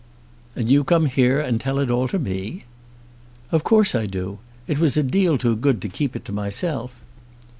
"And you come here and tell it all to me?" "Of course I do. It was a deal too good to keep it to myself.